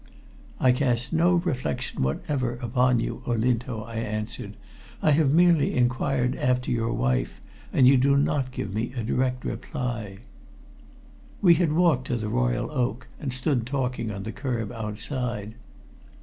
"I cast no reflection whatever upon you, Olinto," I answered. "I have merely inquired after your wife, and you do not give me a direct reply." We had walked to the Royal Oak, and stood talking on the curb outside.